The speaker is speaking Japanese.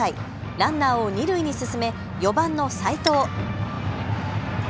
ランナーを二塁に進め４番の齋藤。